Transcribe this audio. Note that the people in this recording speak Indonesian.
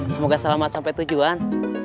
semoga selamat sampai tujuan